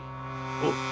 おう。